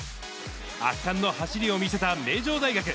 圧巻の走りを見せた名城大学。